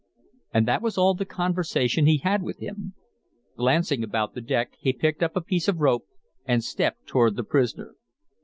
And that was all the conversation he had with him. Glancing about the deck he picked up a piece of rope and stepped toward the prisoner.